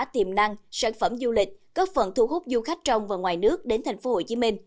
tiềm năng sản phẩm du lịch góp phần thu hút du khách trong và ngoài nước đến tp hcm